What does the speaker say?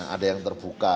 ada yang terbuka